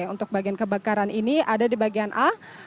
untuk bagian kebakaran ini ada di bagian a